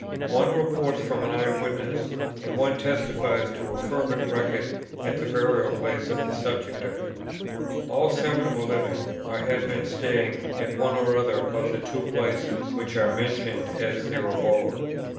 One reports from an eye witness, and one testifies to a fervent record at the burial place of the subjects of it. All seven were living, or had been staying, at one or other of the two places which are mentioned as their abode.